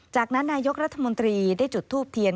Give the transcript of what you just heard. จากนั้นนายกรัฐมนตรีได้จุดทูบเทียน